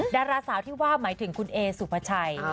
ดาราสาวที่ว่าหมายถึงคุณเอสุภาชัย